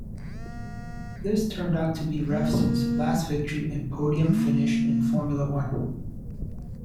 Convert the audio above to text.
This turned out to be Revson's last victory and podium finish in Formula One.